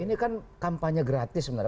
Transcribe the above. ini kan kampanye gratis sebenarnya